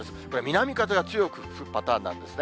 南風が強く吹くパターンなんですね。